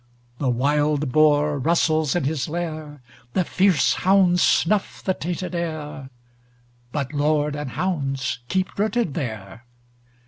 The wild boar rustles in his lair, The fierce hounds snuff the tainted air, But lord and hounds keep rooted there.